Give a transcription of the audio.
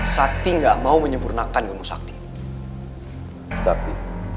sakti gak mau menyempurnakan ilmu sakti